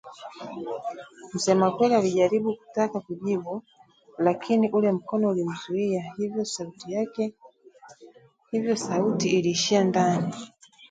Msemakweli alijaribu kutaka kujibu, lakini ule mkono ulimzuia, hivyo sauti iliishia ndani